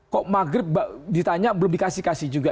kok maghrib ditanya belum dikasih kasih juga